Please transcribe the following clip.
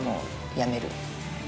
やめる。